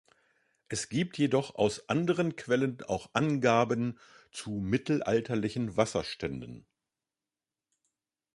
Es gibt jedoch aus anderen Quellen auch Angaben zu mittelalterlichen Wasserständen.